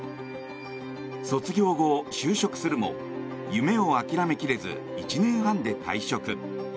卒業後、就職するも夢を諦めきれず１年半で退職。